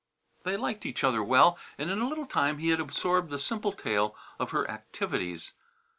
They liked each other well and in a little time he had absorbed the simple tale of her activities.